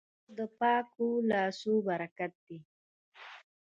اوړه د پاکو لاسو برکت دی